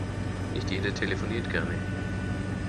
Nicht jeder telefoniert gerne.